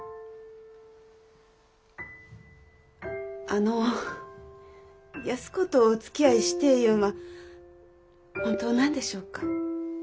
あの安子とおつきあいしてえいうんは本当なんでしょうか？